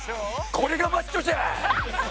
これがマッチョじゃ！